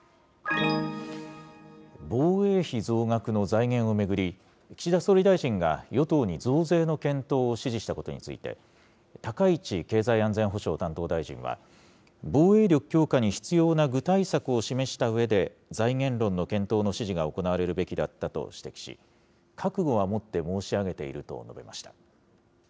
防衛費増額の財源を巡り、岸田総理大臣が与党に増税の検討を指示したことについて、高市経済安全保障担当大臣は、防衛力強化に必要な具体策を示したうえで、財源論の検討の指示が行われるべきだったと指摘し、覚悟はもって申し述べていると述べました。